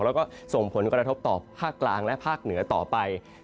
แล้วก็ส่งผลกระทบต่อภาคกลางและภาคเหนือต่อไป